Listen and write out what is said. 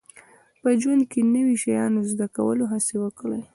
په ژوند کې د نوي شیانو زده کولو هڅې وکړئ